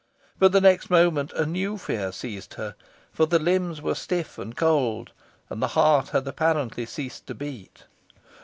But the next moment, a new fear seized her, for the limbs were stiff and cold, and the heart had apparently ceased to beat.